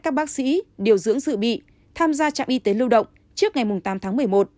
các bác sĩ điều dưỡng dự bị tham gia trạm y tế lưu động trước ngày tám tháng một mươi một